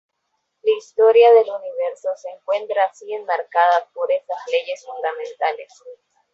La historia del universo se encuentra así enmarcada por esas leyes fundamentales.